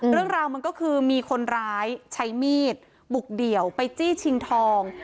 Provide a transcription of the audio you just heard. เรื่องราวมันก็คือมีคนร้ายใช้มีดบุกเดี่ยวไปจี้ชิงทอง